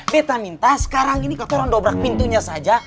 beto minta sekarang ini keturang dobrak pintunya saja